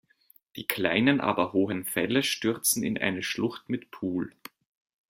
Die kleinen aber hohen Fälle stürzen in eine Schlucht mit Pool.